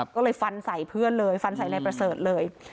ก็เลยฟันใส่เพื่อนเลยฟันใส่นายประเสริฐเลย